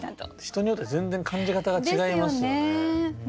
人によって全然感じ方が違いますよね。